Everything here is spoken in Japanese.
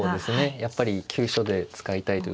やっぱり急所で使いたいという。